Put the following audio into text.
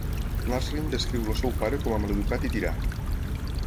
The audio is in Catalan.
Nasrin descriu el seu pare com a maleducat i tirà.